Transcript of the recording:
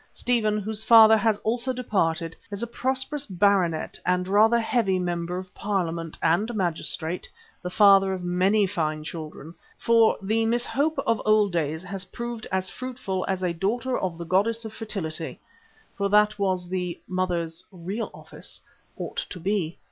Stephen, whose father has also departed, is a prosperous baronet and rather heavy member of Parliament and magistrate, the father of many fine children, for the Miss Hope of old days has proved as fruitful as a daughter of the Goddess of Fertility, for that was the "Mother's" real office, ought to be.